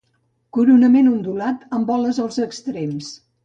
Coronament ondulat amb boles als extrems.